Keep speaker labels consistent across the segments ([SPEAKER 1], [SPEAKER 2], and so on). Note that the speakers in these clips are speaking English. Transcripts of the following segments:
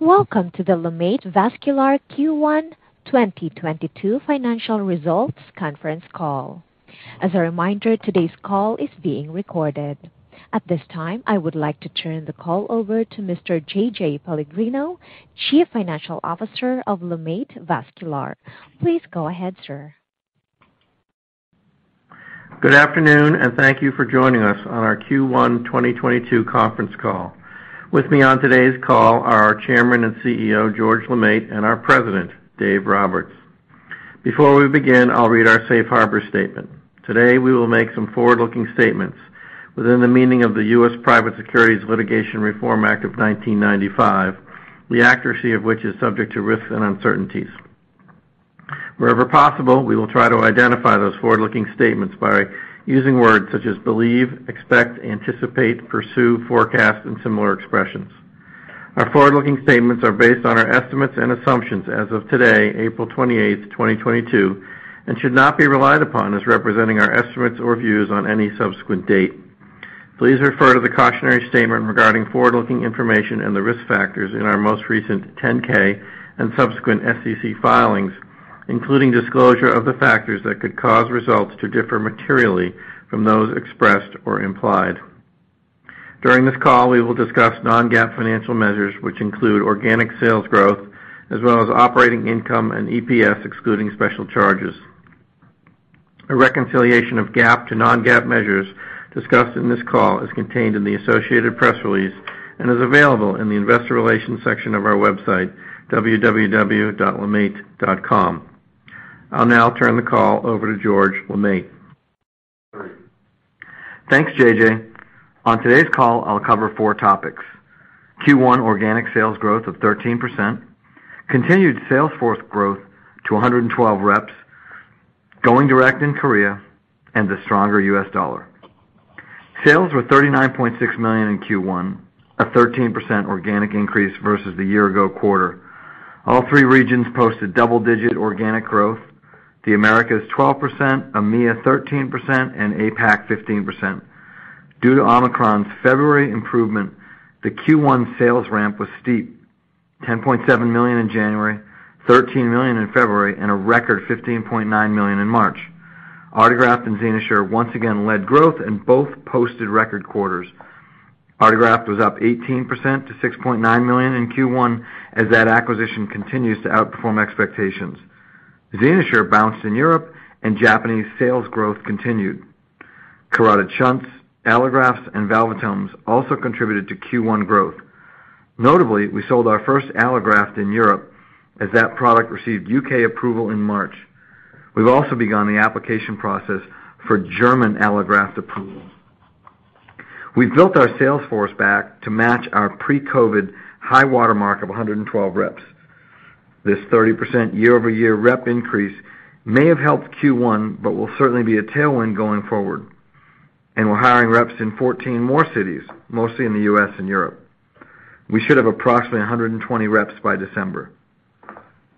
[SPEAKER 1] Welcome to the LeMaitre Vascular Q1 2022 financial results conference call. As a reminder, today's call is being recorded. At this time, I would like to turn the call over to Mr. J.J. Pellegrino, Chief Financial Officer of LeMaitre Vascular. Please go ahead, sir.
[SPEAKER 2] Good afternoon, and thank you for joining us on our Q1 2022 conference call. With me on today's call are our Chairman and CEO, George LeMaitre, and our President, Dave Roberts. Before we begin, I'll read our safe harbor statement. Today, we will make some forward-looking statements within the meaning of the US Private Securities Litigation Reform Act of 1995, the accuracy of which is subject to risks and uncertainties. Wherever possible, we will try to identify those forward-looking statements by using words such as believe, expect, anticipate, pursue, forecast, and similar expressions. Our forward-looking statements are based on our estimates and assumptions as of today, April 28, 2022, and should not be relied upon as representing our estimates or views on any subsequent date. Please refer to the cautionary statement regarding forward-looking information and the risk factors in our most recent 10-K and subsequent SEC filings, including disclosure of the factors that could cause results to differ materially from those expressed or implied. During this call, we will discuss non-GAAP financial measures, which include organic sales growth as well as operating income and EPS, excluding special charges. A reconciliation of GAAP to non-GAAP measures discussed in this call is contained in the associated press release and is available in the investor relations section of our website, www.lemaitre.com. I'll now turn the call over to George LeMaitre.
[SPEAKER 3] Thanks, J.J. On today's call, I'll cover four topics, Q1 organic sales growth of 13%, continued sales force growth to 112 reps, going direct in Korea, and the stronger US dollar. Sales were $39.6 million in Q1, a 13% organic increase versus the year-ago quarter. All three regions posted double-digit organic growth. The Americas, 12%, EMEA, 13%, and APAC, 15%. Due to Omicron's February improvement, the Q1 sales ramp was steep, $10.7 million in January, $13 million in February, and a record $15.9 million in March. Allograft and XenoSure once again led growth and both posted record quarters. Allograft was up 18% to $6.9 million in Q1 as that acquisition continues to outperform expectations. XenoSure boomed in Europe and Japanese sales growth continued. Carotid shunts, allografts, and valvulotomes also contributed to Q1 growth. Notably, we sold our first allograft in Europe as that product received U.K. approval in March. We've also begun the application process for German allograft approval. We've built our sales force back to match our pre-COVID high watermark of 112 reps. This 30% year-over-year rep increase may have helped Q1, but will certainly be a tailwind going forward, and we're hiring reps in 14 more cities, mostly in the U.S. and Europe. We should have approximately 120 reps by December.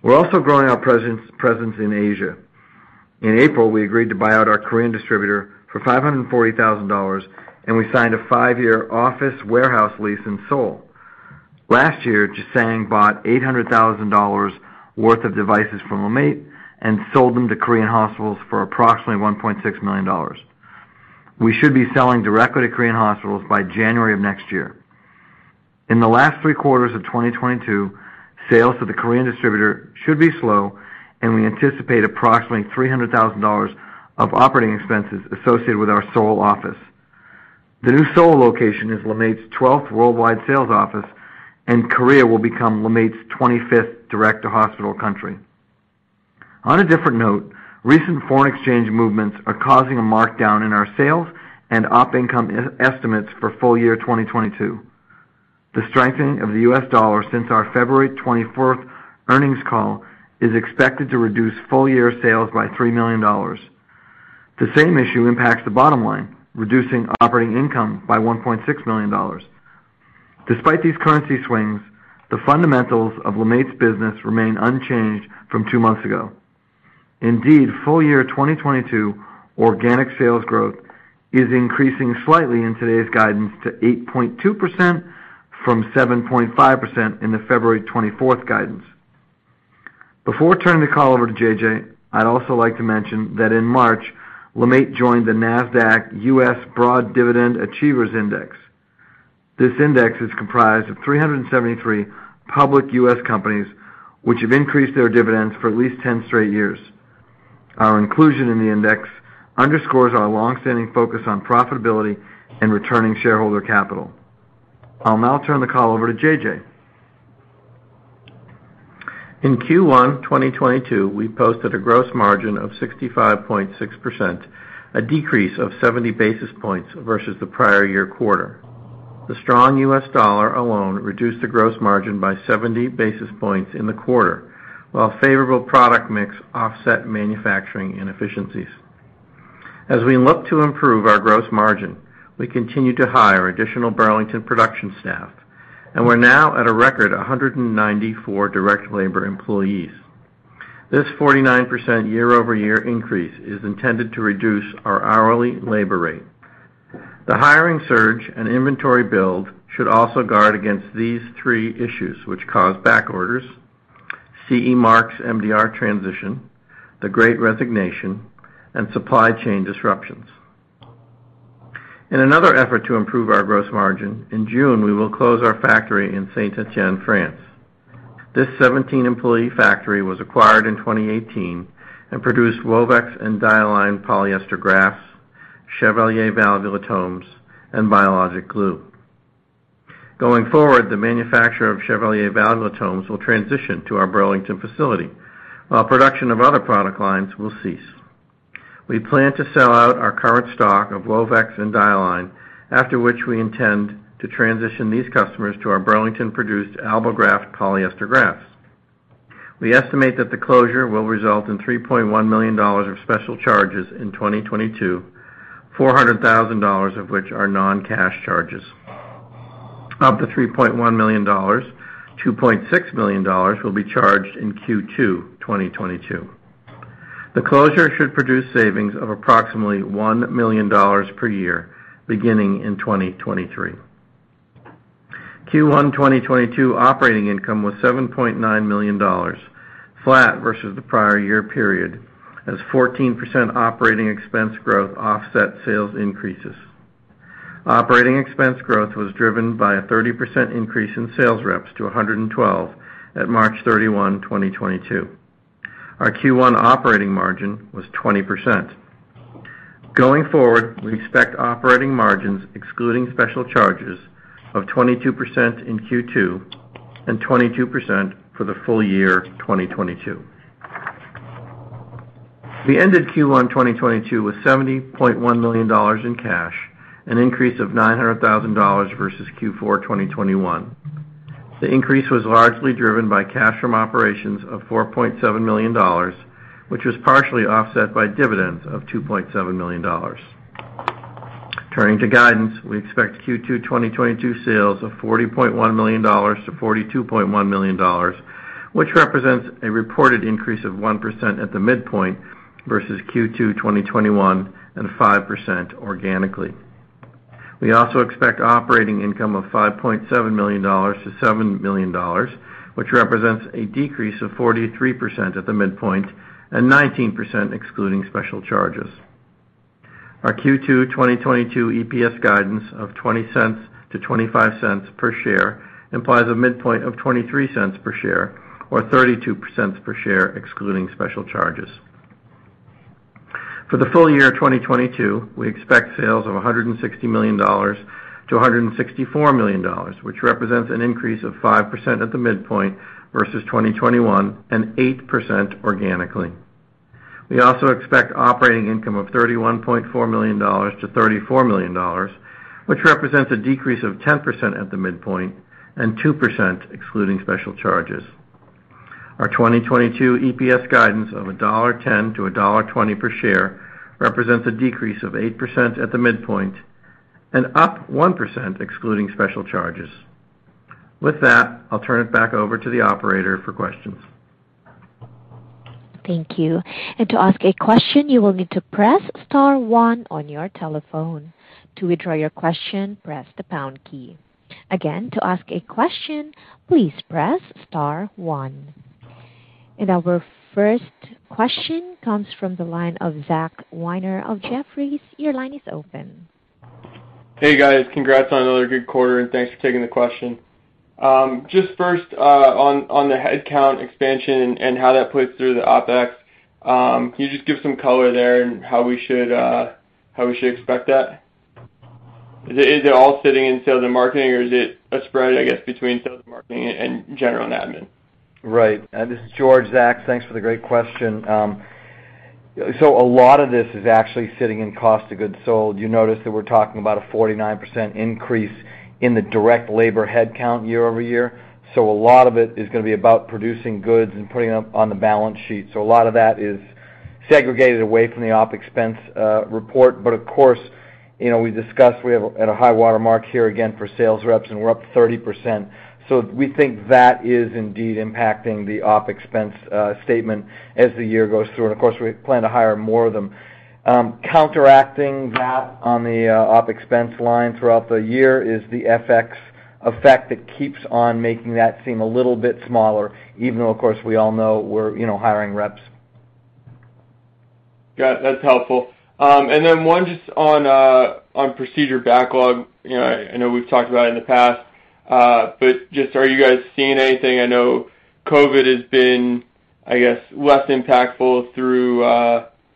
[SPEAKER 3] We're also growing our presence in Asia. In April, we agreed to buy out our Korean distributor for $540,000, and we signed a five-year office warehouse lease in Seoul. Last year, Jisung Meditech bought $800,000 worth of devices from LeMaitre and sold them to Korean hospitals for approximately $1.6 million. We should be selling directly to Korean hospitals by January of next year. In the last three quarters of 2022, sales to the Korean distributor should be slow, and we anticipate approximately $300,000 of operating expenses associated with our Seoul office. The new Seoul location is LeMaitre's 12th worldwide sales office, and Korea will become LeMaitre's 25th direct-to-hospital country. On a different note, recent foreign exchange movements are causing a markdown in our sales and op income estimates for full year 2022. The strengthening of the U.S. dollar since our February 24 earnings call is expected to reduce full year sales by $3 million. The same issue impacts the bottom line, reducing operating income by $1.6 million. Despite these currency swings, the fundamentals of LeMaitre's business remain unchanged from two months ago. Indeed, full year 2022 organic sales growth is increasing slightly in today's guidance to 8.2% from 7.5% in the February 24 guidance. Before turning the call over to JJ, I'd also like to mention that in March, LeMaitre joined the Nasdaq U.S. Broad Dividend Achievers Index. This index is comprised of 373 public U.S. companies which have increased their dividends for at least 10 straight years. Our inclusion in the index underscores our long-standing focus on profitability and returning shareholder capital. I'll now turn the call over to JJ.
[SPEAKER 2] In Q1 2022, we posted a gross margin of 65.6%, a decrease of 70 basis points versus the prior year quarter. The strong US dollar alone reduced the gross margin by 70 basis points in the quarter, while favorable product mix offset manufacturing inefficiencies. As we look to improve our gross margin, we continue to hire additional Burlington production staff, and we're now at a record 194 direct labor employees. This 49% year-over-year increase is intended to reduce our hourly labor rate. The hiring surge and inventory build should also guard against these three issues which cause back orders, CE marks MDR transition, the Great Resignation, and supply chain disruptions. In another effort to improve our gross margin, in June, we will close our factory in Saint-Étienne, France. This 17-employee factory was acquired in 2018 and produced Omniflow II and Dialine II polyester grafts, Chevalier valvulotomes, and biologic glue. Going forward, the manufacturer of Chevalier valvulotomes will transition to our Burlington facility, while production of other product lines will cease. We plan to sell out our current stock of Wovex and Dialine, after which we intend to transition these customers to our Burlington-produced Artegraft polyester grafts. We estimate that the closure will result in $3.1 million of special charges in 2022, $400,000 of which are non-cash charges. Of the $3.1 million, $2.6 million will be charged in Q2 2022. The closure should produce savings of approximately $1 million per year beginning in 2023. Q1 2022 operating income was $7.9 million, flat versus the prior year period, as 14% operating expense growth offset sales increases. Operating expense growth was driven by a 30% increase in sales reps to 112 at March 31, 2022. Our Q1 operating margin was 20%. Going forward, we expect operating margins excluding special charges of 22% in Q2 and 22% for the full year 2022. We ended Q1 2022 with $70.1 million in cash, an increase of $900,000 versus Q4 2021. The increase was largely driven by cash from operations of $4.7 million, which was partially offset by dividends of $2.7 million. Turning to guidance, we expect Q2 2022 sales of $40.1 million-$42.1 million, which represents a reported increase of 1% at the midpoint versus Q2 2021 and 5% organically. We also expect operating income of $5.7 million-$7 million, which represents a decrease of 43% at the midpoint and 19% excluding special charges. Our Q2 2022 EPS guidance of $0.20-$0.25 per share implies a midpoint of $0.23 per share or $0.32 per share excluding special charges. For the full year 2022, we expect sales of $160 million-$164 million, which represents an increase of 5% at the midpoint versus 2021 and 8% organically. We also expect operating income of $31.4 million-$34 million, which represents a decrease of 10% at the midpoint and 2% excluding special charges. Our 2022 EPS guidance of $1.10-$1.20 per share represents a decrease of 8% at the midpoint and up 1% excluding special charges. With that, I'll turn it back over to the operator for questions.
[SPEAKER 1] Thank you. To ask a question, you will need to press star one on your telephone. To withdraw your question, press the pound key. Again, to ask a question, please press star one. Our first question comes from the line of Zack Weiner of Jefferies. Your line is open.
[SPEAKER 4] Hey, guys. Congrats on another good quarter, and thanks for taking the question. Just first, on the headcount expansion and how that plays through the OpEx, can you just give some color there and how we should expect that? Is it all sitting in sales and marketing, or is it a spread, I guess, between sales and marketing and general and admin?
[SPEAKER 3] Right. This is George LeMaitre. Zach Weiner, thanks for the great question. A lot of this is actually sitting in cost of goods sold. You notice that we're talking about a 49% increase in the direct labor headcount year-over-year. A lot of it is gonna be about producing goods and putting them on the balance sheet. A lot of that is segregated away from the OpEx report. Of course, you know, we discussed we have at a high water mark here again for sales reps, and we're up 30%. We think that is indeed impacting the OpEx statement as the year goes through. Of course, we plan to hire more of them. Counteracting that on the OpEx line throughout the year is the FX effect that keeps on making that seem a little bit smaller, even though, of course, we all know we're, you know, hiring reps.
[SPEAKER 4] Got it. That's helpful. One just on procedure backlog. You know, I know we've talked about it in the past, but just are you guys seeing anything? I know COVID has been, I guess, less impactful through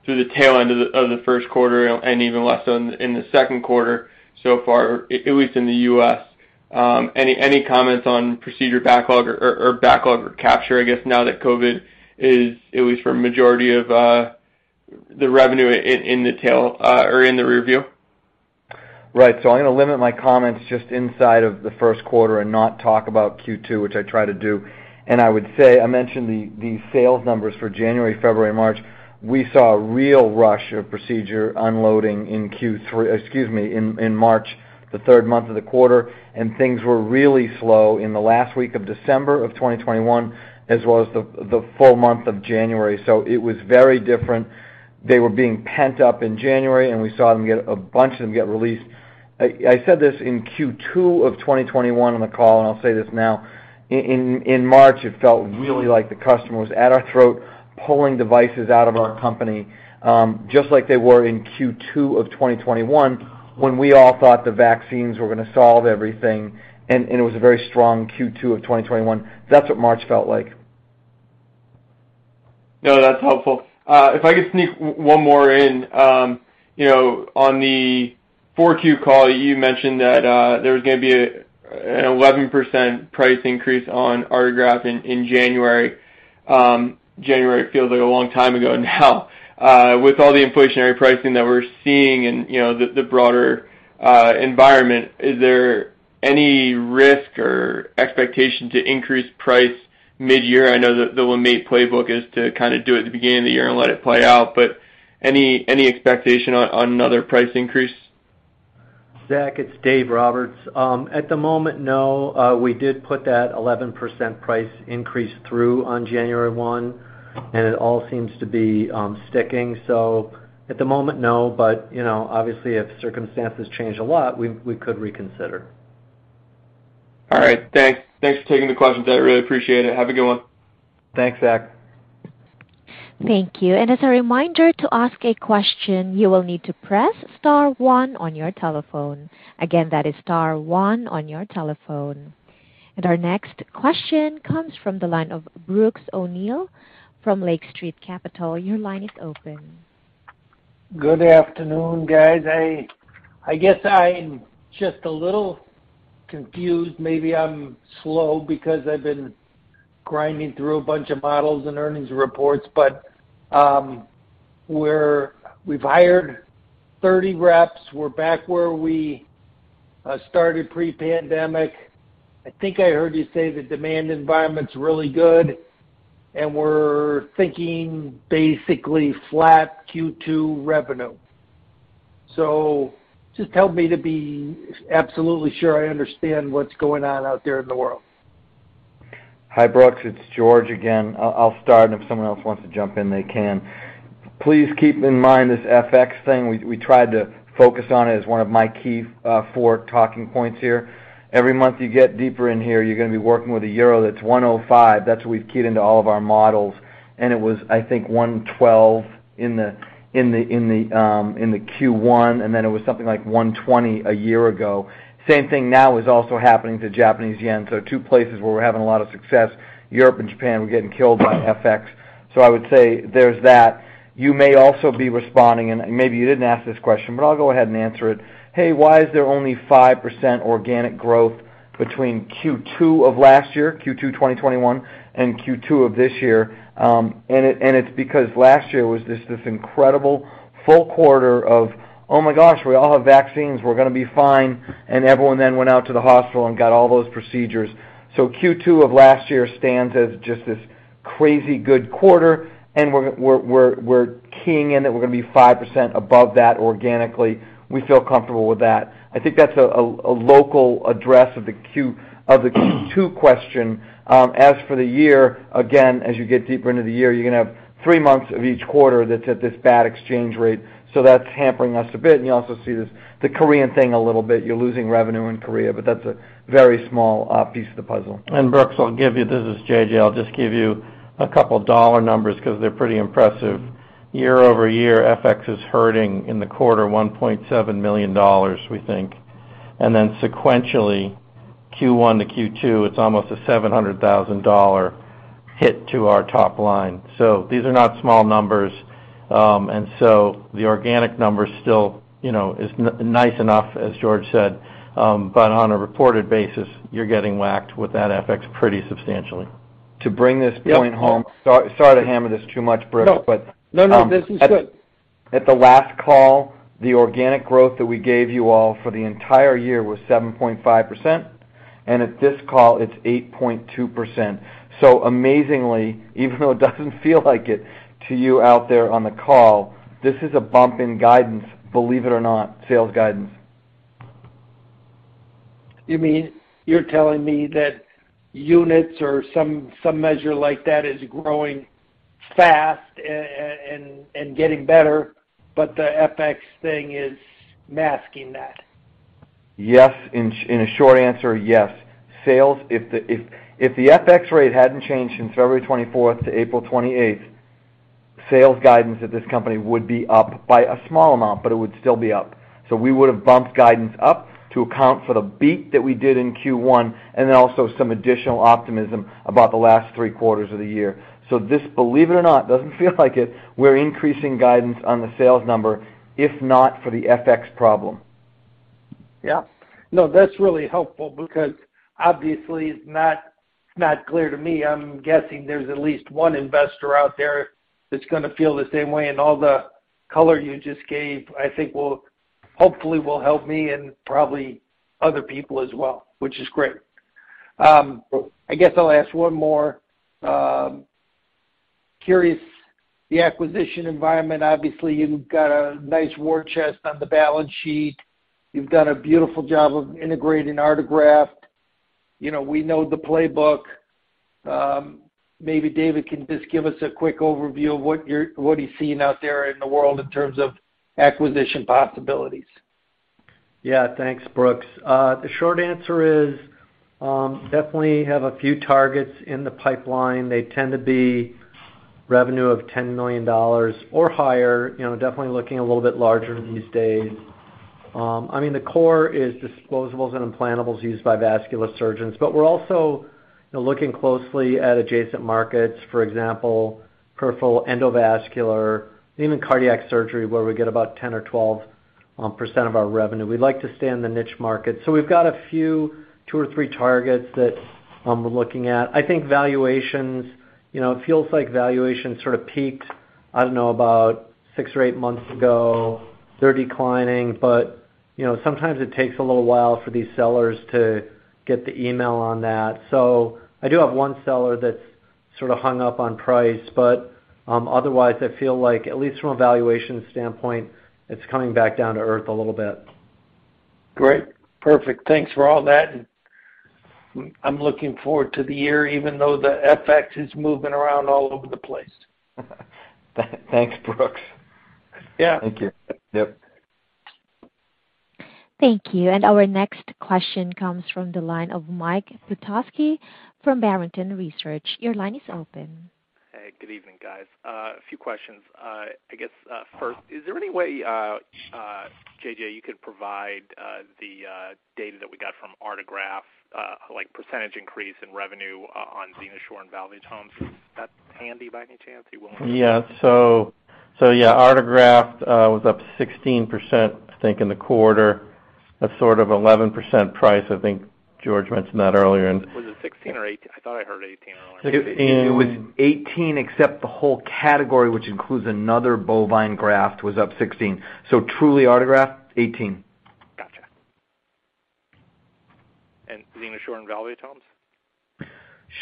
[SPEAKER 4] the tail end of the first quarter and even less in the second quarter so far, at least in the U.S. Any comments on procedure backlog or backlog recapture, I guess now that COVID is at least for a majority of the revenue in the rearview?
[SPEAKER 3] Right. I'm gonna limit my comments just inside of the first quarter and not talk about Q2, which I try to do. I would say I mentioned the sales numbers for January, February and March. We saw a real rush of procedure unloading in March, the third month of the quarter, and things were really slow in the last week of December of 2021, as well as the full month of January. It was very different. They were being pent up in January, and we saw a bunch of them get released. I said this in Q2 of 2021 on the call, and I'll say this now. In March, it felt really like the customer was at our throat, pulling devices out of our company, just like they were in Q2 of 2021, when we all thought the vaccines were gonna solve everything, and it was a very strong Q2 of 2021. That's what March felt like.
[SPEAKER 4] No, that's helpful. If I could sneak one more in. You know, on the 4Q call, you mentioned that there was gonna be an 11% price increase on Artegraft in January. January feels like a long time ago now. With all the inflationary pricing that we're seeing and, you know, the broader environment, is there any risk or expectation to increase price midyear? I know that the LeMaitre playbook is to kinda do it at the beginning of the year and let it play out, but any expectation on another price increase?
[SPEAKER 5] Zach, it's Dave Roberts. At the moment, no. We did put that 11% price increase through on January 1, and it all seems to be sticking. At the moment, no, but you know, obviously, if circumstances change a lot, we could reconsider.
[SPEAKER 4] All right. Thanks. Thanks for taking the questions. I really appreciate it. Have a good one.
[SPEAKER 3] Thanks, Zach.
[SPEAKER 1] Thank you. As a reminder, to ask a question, you will need to press star one on your telephone. Again, that is star one on your telephone. Our next question comes from the line of Brooks O'Neil from Lake Street Capital Markets. Your line is open.
[SPEAKER 6] Good afternoon, guys. I guess I'm just a little confused. Maybe I'm slow because I've been grinding through a bunch of models and earnings reports. We've hired 30 reps. We're back where we started pre-pandemic. I think I heard you say the demand environment's really good, and we're thinking basically flat Q2 revenue. Just help me to be absolutely sure I understand what's going on out there in the world.
[SPEAKER 3] Hi, Brooks. It's George again. I'll start, and if someone else wants to jump in, they can. Please keep in mind this FX thing. We tried to focus on it as one of my key four talking points here. Every month you get deeper in here, you're gonna be working with a euro that's 1.05. That's what we've keyed into all of our models. It was, I think, 1.12 in the Q1, and then it was something like 1.20 a year ago. Same thing now is also happening to Japanese yen. Two places where we're having a lot of success, Europe and Japan, we're getting killed by FX. I would say there's that. You may also be responding, and maybe you didn't ask this question, but I'll go ahead and answer it. Hey, why is there only 5% organic growth between Q2 of last year, Q2 2021, and Q2 of this year? It's because last year was just this incredible full quarter of, "Oh my gosh, we all have vaccines. We're gonna be fine." Everyone then went out to the hospital and got all those procedures. Q2 of last year stands as just this crazy good quarter, and we're keying in that we're gonna be 5% above that organically. We feel comfortable with that. I think that's a local address of the Q2 question. As for the year, again, as you get deeper into the year, you're gonna have three months of each quarter that's at this bad exchange rate. That's hampering us a bit, and you also see this, the Korean thing a little bit. You're losing revenue in Korea, but that's a very small piece of the puzzle.
[SPEAKER 2] Brooks, I'll give you. This is JJ. I'll just give you a couple dollar numbers 'cause they're pretty impressive. Year-over-year, FX is hurting in the quarter $1.7 million, we think. Then sequentially, Q1 to Q2, it's almost a $700,000 hit to our top line. These are not small numbers. The organic number is still, you know, nice enough, as George said. But on a reported basis, you're getting whacked with that FX pretty substantially.
[SPEAKER 3] To bring this point home.
[SPEAKER 6] Yep.
[SPEAKER 3] Sorry to hammer this too much, Brooks.
[SPEAKER 6] No.
[SPEAKER 3] But, um-
[SPEAKER 6] No, no, this is good.
[SPEAKER 3] At the last call, the organic growth that we gave you all for the entire year was 7.5%, and at this call it's 8.2%. Amazingly, even though it doesn't feel like it to you out there on the call, this is a bump in guidance, believe it or not, sales guidance.
[SPEAKER 6] You mean, you're telling me that units or some measure like that is growing fast and getting better, but the FX thing is masking that?
[SPEAKER 3] Yes. In a short answer, yes. Sales, if the FX rate hadn't changed since February 24th to April 28th, sales guidance at this company would be up by a small amount, but it would still be up. We would've bumped guidance up to account for the beat that we did in Q1 and then also some additional optimism about the last three quarters of the year. This, believe it or not, doesn't feel like it. We're increasing guidance on the sales number, if not for the FX problem.
[SPEAKER 6] Yeah. No, that's really helpful because obviously it's not clear to me. I'm guessing there's at least one investor out there that's gonna feel the same way, and all the color you just gave, I think will hopefully help me and probably other people as well, which is great. I guess I'll ask one more. Curious, the acquisition environment, obviously, you've got a nice war chest on the balance sheet. You've done a beautiful job of integrating Artegraft. You know, we know the playbook. Maybe Dave can just give us a quick overview of what he's seeing out there in the world in terms of acquisition possibilities.
[SPEAKER 5] Yeah. Thanks, Brooks. The short answer is, definitely have a few targets in the pipeline. They tend to be revenue of $10 million or higher, you know, definitely looking a little bit larger these days. I mean, the core is disposables and implantables used by vascular surgeons. But we're also, you know, looking closely at adjacent markets, for example, peripheral endovascular, even cardiac surgery, where we get about 10%-12% of our revenue. We'd like to stay in the niche market. So we've got a few, two or three targets that, we're looking at. I think valuations, you know, it feels like valuations sort of peaked, I don't know, about six or eight months ago. They're declining, but, you know, sometimes it takes a little while for these sellers to get the email on that.
[SPEAKER 2] I do have one seller that's sort of hung up on price. Otherwise, I feel like, at least from a valuation standpoint, it's coming back down to earth a little bit.
[SPEAKER 6] Great. Perfect. Thanks for all that. I'm looking forward to the year even though the FX is moving around all over the place.
[SPEAKER 5] Thanks, Brooks.
[SPEAKER 6] Yeah.
[SPEAKER 2] Thank you. Yep.
[SPEAKER 1] Thank you. Our next question comes from the line of Mike Petusky from Barrington Research. Your line is open.
[SPEAKER 7] Hey, good evening, guys. A few questions. I guess first, is there any way, J.J., you could provide the data that we got from Artegraft, like percentage increase in revenue on XenoSure and valvulotomes, if that's handy by any chance, you willing to?
[SPEAKER 2] Artegraft was up 16%, I think, in the quarter of sort of 11% price. I think George mentioned that earlier.
[SPEAKER 7] Was it 16 or eight? I thought I heard 18 earlier.
[SPEAKER 2] It, it was-
[SPEAKER 3] It was 18%, except the whole category, which includes another bovine graft, was up 16%. Truly Artegraft, 18%.
[SPEAKER 7] Gotcha. XenoSure and valvulotomes?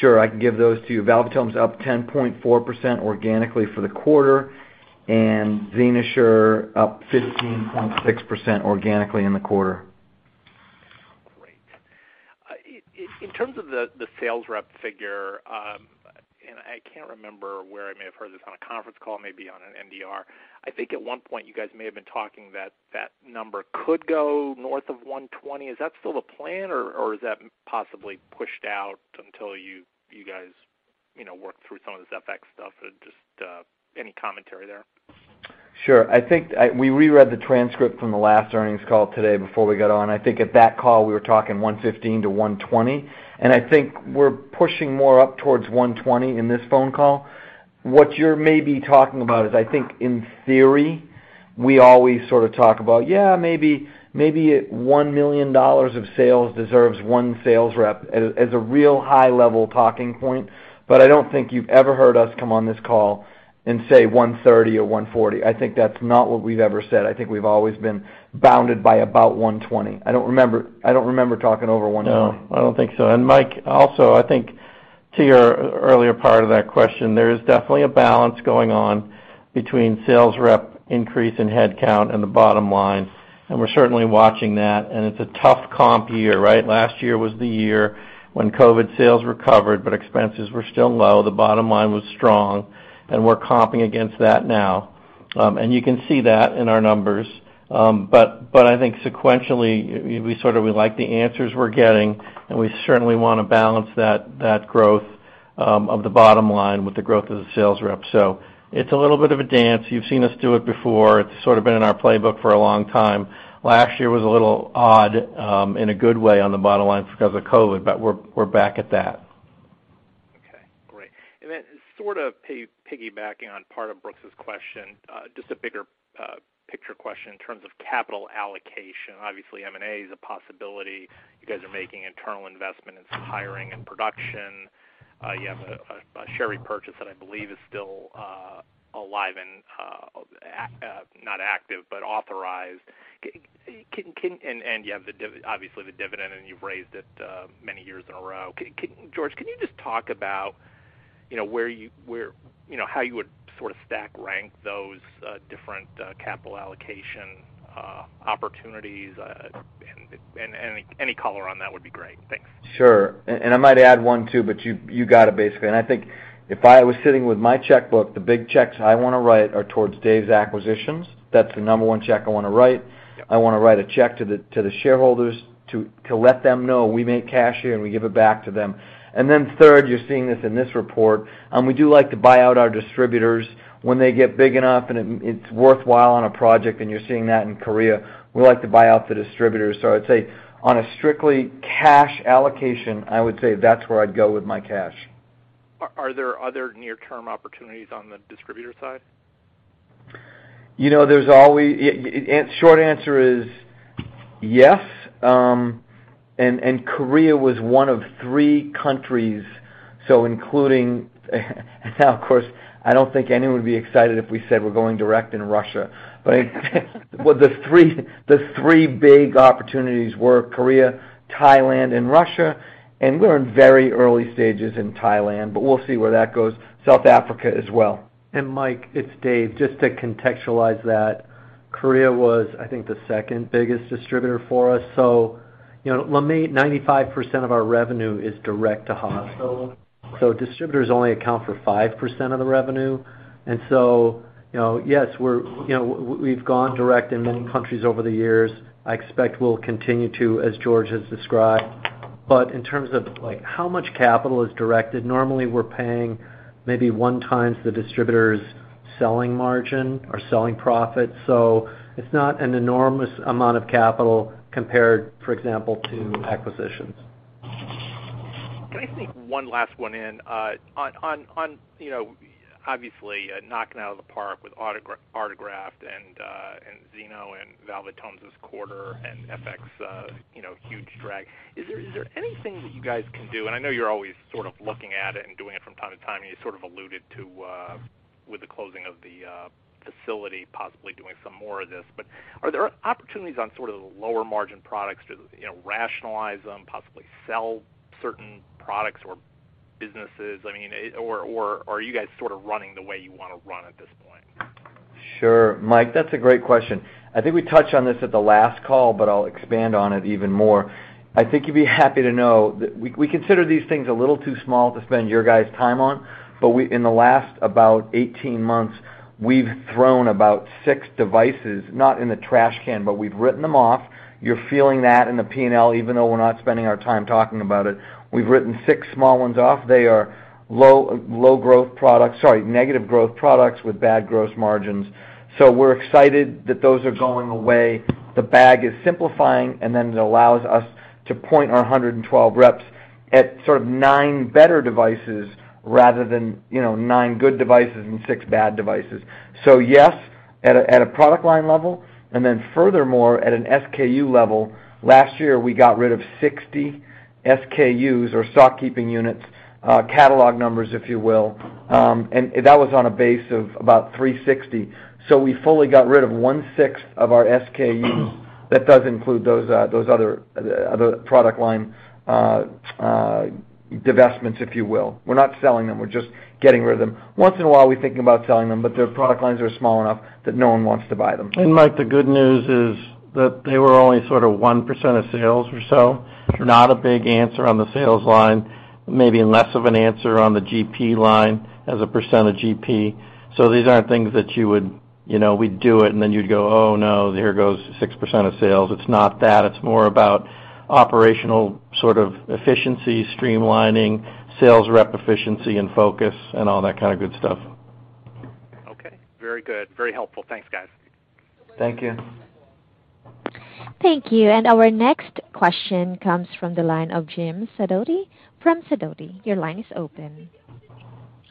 [SPEAKER 3] Sure. I can give those to you. Valvulotomes up 10.4% organically for the quarter, and XenoSure up 15.6% organically in the quarter.
[SPEAKER 7] Great. In terms of the sales rep figure, I can't remember where I may have heard this on a conference call, maybe on an MDR. I think at one point you guys may have been talking that number could go north of 120. Is that still the plan, or is that possibly pushed out until you guys, you know, work through some of this FX stuff? Just any commentary there?
[SPEAKER 3] Sure. We reread the transcript from the last earnings call today before we got on. I think at that call, we were talking $115-$120, and I think we're pushing more up towards $120 in this phone call. What you're maybe talking about is I think in theory, we always sort of talk about, yeah, maybe a $1 million of sales deserves one sales rep as a real high-level talking point, but I don't think you've ever heard us come on this call and say $130 or $140. I think that's not what we've ever said. I think we've always been bounded by about $120. I don't remember talking over $120.
[SPEAKER 2] No, I don't think so. Mike, also, I think to your earlier part of that question, there is definitely a balance going on between sales rep increase in headcount and the bottom line, and we're certainly watching that, and it's a tough comp year, right? Last year was the year when COVID sales recovered, but expenses were still low. The bottom line was strong, and we're comping against that now. You can see that in our numbers. I think sequentially, we sort of like the answers we're getting, and we certainly wanna balance that growth of the bottom line with the growth of the sales rep. It's a little bit of a dance. You've seen us do it before. It's sort of been in our playbook for a long time. Last year was a little odd in a good way on the bottom line because of COVID, but we're back at that.
[SPEAKER 7] Okay, great. Then sort of piggybacking on part of Brooks' question, just a bigger picture question in terms of capital allocation. Obviously, M&A is a possibility. You guys are making internal investment in some hiring and production. You have a share repurchase that I believe is still alive and not active, but authorized. And you have the dividend, obviously, and you've raised it many years in a row. George, can you just talk about, you know, where you know, how you would sort of stack rank those different capital allocation opportunities? Any color on that would be great. Thanks.
[SPEAKER 3] Sure. I might add one, too, but you got it, basically. I think if I was sitting with my checkbook, the big checks I wanna write are towards Dave's acquisitions. That's the number one check I wanna write. I wanna write a check to the shareholders to let them know we make cash here, and we give it back to them. Then third, you're seeing this in this report, we do like to buy out our distributors when they get big enough and it's worthwhile on a project, and you're seeing that in Korea. We like to buy out the distributors. I'd say on a strictly cash allocation, I would say that's where I'd go with my cash.
[SPEAKER 7] Are there other near-term opportunities on the distributor side?
[SPEAKER 3] You know, there's always. Yeah, short answer is yes. Korea was one of three countries, so including now, of course, I don't think anyone would be excited if we said we're going direct in Russia. The three big opportunities were Korea, Thailand, and Russia. We're in very early stages in Thailand, but we'll see where that goes. South Africa as well.
[SPEAKER 5] Mike, it's Dave. Just to contextualize that, Korea was, I think, the second biggest distributor for us. You know, let me, 95% of our revenue is direct to hospital, so distributors only account for 5% of the revenue. You know, yes, we're, you know, we've gone direct in many countries over the years. I expect we'll continue to, as George has described. But in terms of, like, how much capital is directed, normally we're paying maybe 1x the distributor's selling margin or selling profit. It's not an enormous amount of capital compared, for example, to acquisitions.
[SPEAKER 7] Can I sneak one last one in? On you know, obviously, knocking out of the park with Artegraft and XenoSure and valvulotomes this quarter and FX, you know, huge drag. Is there anything that you guys can do? I know you're always sort of looking at it and doing it from time to time, you sort of alluded to with the closing of the facility, possibly doing some more of this. Are there opportunities on sort of the lower margin products to, you know, rationalize them, possibly sell certain products or businesses? I mean, or are you guys sort of running the way you wanna run at this point?
[SPEAKER 3] Sure. Mike, that's a great question. I think we touched on this at the last call, but I'll expand on it even more. I think you'd be happy to know that we consider these things a little too small to spend your guys' time on, but we in the last about 18 months, we've thrown about 6 devices, not in the trash can, but we've written them off. You're feeling that in the P&L, even though we're not spending our time talking about it. We've written six small ones off. They are low growth products. Sorry, negative growth products with bad gross margins. We're excited that those are going away. The bag is simplifying, and then it allows us to point our 112 reps at sort of nine better devices rather than, you know, nine good devices and six bad devices. Yes, at a product line level, and then furthermore, at an SKU level, last year, we got rid of 60 SKUs or stock keeping units, catalog numbers, if you will. And that was on a base of about 360. We fully got rid of one-sixth of our SKUs. That does include those other product line divestments, if you will. We're not selling them, we're just getting rid of them. Once in a while, we're thinking about selling them, but their product lines are small enough that no one wants to buy them.
[SPEAKER 2] Mike, the good news is that they were only sort of 1% of sales or so. Not a big answer on the sales line, maybe less of an answer on the GP line as a percent of GP. These aren't things that you would, you know, we'd do it, and then you'd go, "Oh, no, there goes 6% of sales." It's not that. It's more about operational sort of efficiency, streamlining, sales rep efficiency and focus and all that kind of good stuff.
[SPEAKER 7] Okay. Very good. Very helpful. Thanks, guys.
[SPEAKER 3] Thank you.
[SPEAKER 1] Thank you. Our next question comes from the line of Jim Sidoti from Sidoti. Your line is open.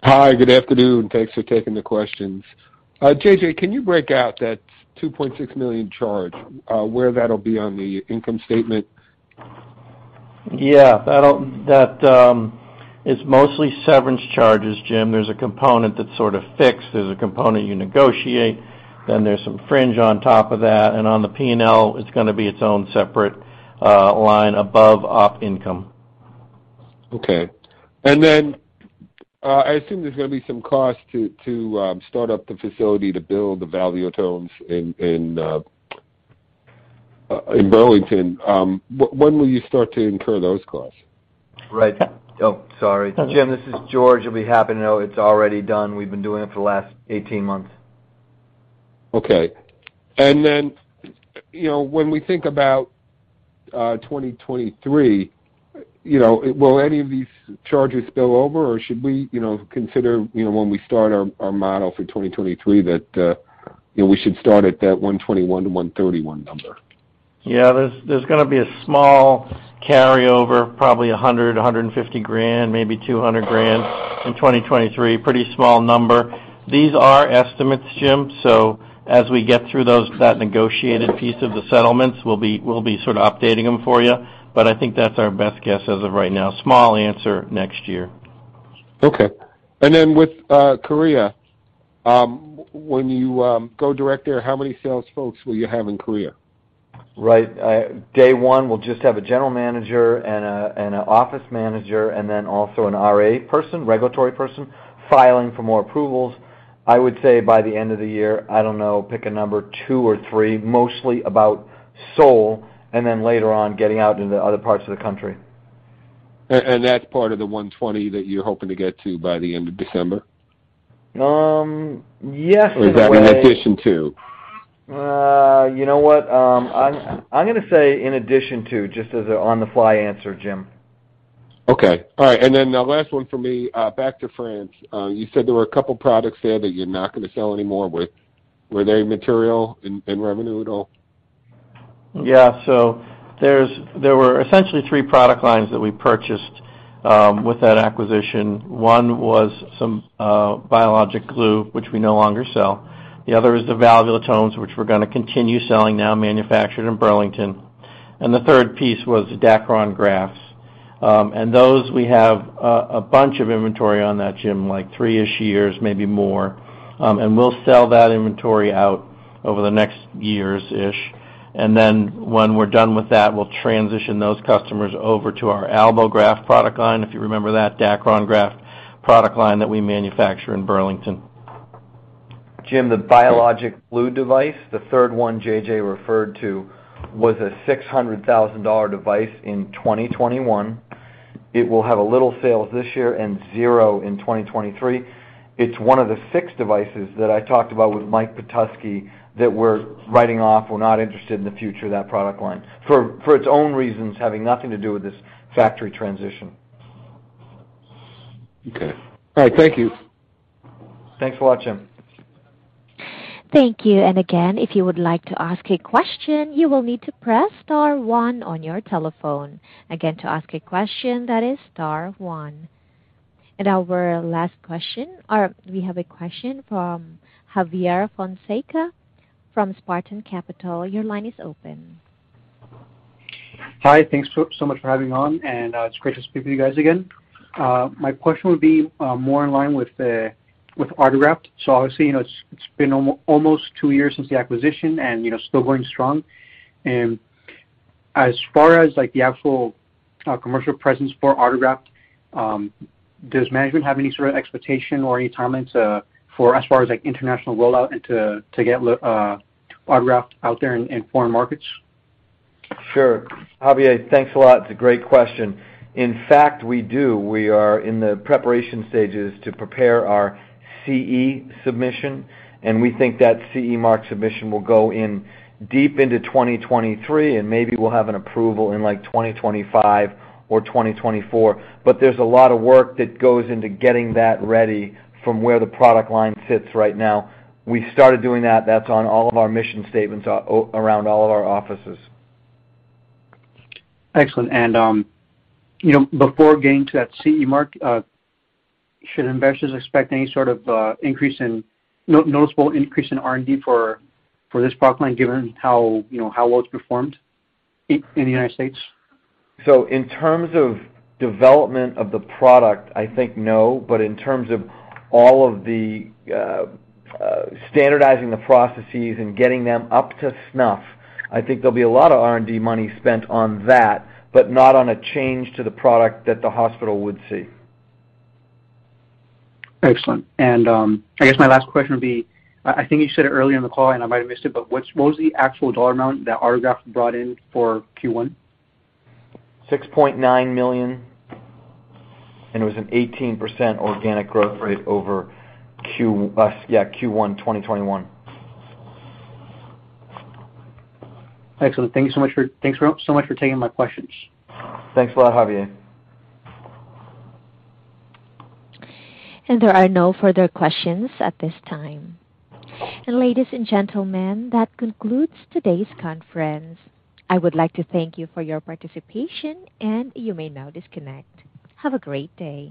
[SPEAKER 8] Hi, good afternoon. Thanks for taking the questions. J.J., can you break out that $2.6 million charge, where that'll be on the income statement?
[SPEAKER 2] Yeah. That is mostly severance charges, Jim. There's a component that's sort of fixed. There's a component you negotiate, then there's some fringe on top of that. On the P&L, it's gonna be its own separate line above op income.
[SPEAKER 8] Okay. I assume there's gonna be some cost to start up the facility to build the valvulotomes in Burlington. When will you start to incur those costs?
[SPEAKER 3] Right. Oh, sorry.
[SPEAKER 8] That's okay.
[SPEAKER 3] Jim, this is George. You'll be happy to know it's already done. We've been doing it for the last 18 months.
[SPEAKER 8] Okay. You know, when we think about 2023, you know, will any of these charges spill over, or should we, you know, consider, you know, when we start our model for 2023 that, you know, we should start at that $121-$131 number?
[SPEAKER 2] Yeah. There's gonna be a small carryover, probably $100,000-$150,000, maybe $200,000 in 2023. Pretty small number. These are estimates, Jim, so as we get through that negotiated piece of the settlements, we'll be sort of updating them for you, but I think that's our best guess as of right now. Small impact next year.
[SPEAKER 8] Okay. With Korea, when you go direct there, how many sales folks will you have in Korea?
[SPEAKER 3] Right. Day one, we'll just have a general manager and an office manager, and then also an RA person, regulatory person, filing for more approvals. I would say by the end of the year, I don't know, pick a number, two or three, mostly about Seoul, and then later on, getting out into other parts of the country.
[SPEAKER 8] That's part of the $120 that you're hoping to get to by the end of December?
[SPEAKER 3] Yes, in a way.
[SPEAKER 8] Is that in addition to?
[SPEAKER 3] You know what? I'm gonna say in addition to, just as an on-the-fly answer, Jim.
[SPEAKER 8] Okay. All right. The last one for me, back to France. You said there were a couple products there that you're not gonna sell anymore. Were they material in revenue at all?
[SPEAKER 2] Yeah. There were essentially three product lines that we purchased with that acquisition. One was some biologic glue, which we no longer sell. The other is the valvulotomes, which we're gonna continue selling, now manufactured in Burlington. The third piece was Dacron grafts. Those we have a bunch of inventory on that, Jim, like three-ish years, maybe more. We'll sell that inventory out over the next years-ish. When we're done with that, we'll transition those customers over to our AlboGraft product line, if you remember that Dacron graft product line that we manufacture in Burlington.
[SPEAKER 3] Jim, the biologic glue device, the third one JJ referred to, was a $600,000 device in 2021. It will have a little sales this year and zero in 2023. It's one of the 6 devices that I talked about with Mike Petusky that we're writing off. We're not interested in the future of that product line, for its own reasons, having nothing to do with this factory transition.
[SPEAKER 8] Okay. All right, thank you.
[SPEAKER 3] Thanks a lot, Jim.
[SPEAKER 1] Thank you. Again, if you would like to ask a question, you will need to press star one on your telephone. Again, to ask a question that is star one. We have a question from Javier Fonseca from Spartan Capital. Your line is open.
[SPEAKER 9] Hi. Thanks so much for having me on. It's great to speak with you guys again. My question would be more in line with Artegraft. Obviously, you know, it's been almost two years since the acquisition and, you know, still going strong. As far as, like, the actual commercial presence for Artegraft, does management have any sort of expectation or any timelines for as far as, like, international rollout and to get Artegraft out there in foreign markets?
[SPEAKER 3] Sure. Javier, thanks a lot. It's a great question. In fact, we do. We are in the preparation stages to prepare our CE submission, and we think that CE mark submission will go in deep into 2023, and maybe we'll have an approval in, like, 2025 or 2024. There's a lot of work that goes into getting that ready from where the product line sits right now. We started doing that. That's on all of our mission statements around all of our offices.
[SPEAKER 9] Excellent. You know, before getting to that CE mark, should investors expect any sort of noticeable increase in R&D for this product line, given how, you know, how well it's performed in the United States?
[SPEAKER 3] In terms of development of the product, I think no. In terms of all of the standardizing the processes and getting them up to snuff, I think there'll be a lot of R&D money spent on that, but not on a change to the product that the hospital would see.
[SPEAKER 9] Excellent. I guess my last question would be, I think you said it earlier in the call, and I might have missed it, but what was the actual dollar amount that AlboGraft brought in for Q1?
[SPEAKER 3] $6.9 million, it was an 18% organic growth rate over Q1 2021.
[SPEAKER 9] Excellent. Thanks so much for taking my questions.
[SPEAKER 3] Thanks a lot, Javier.
[SPEAKER 1] There are no further questions at this time. Ladies and gentlemen, that concludes today's conference. I would like to thank you for your participation, and you may now disconnect. Have a great day.